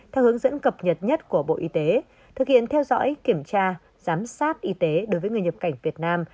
theo hướng dẫn cập nhật nhất của bộ y tế thực hiện theo dõi kiểm tra giám sát y tế đối với người nhập cảnh việt nam